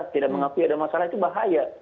tidak mengakui ada masalah itu bahaya